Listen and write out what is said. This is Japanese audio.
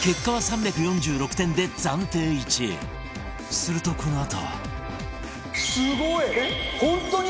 するとこのあと